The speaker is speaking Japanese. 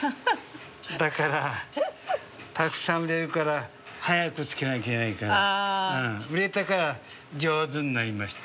だからたくさん売れるから早くつけなきゃいけないから売れたから上手になりました。